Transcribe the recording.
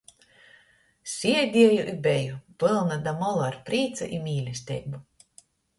Siedieju i beju pylna da molu ar prīcu i mīlesteibu.